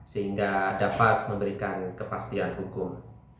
sehingga dapat memberikan kepastian hukum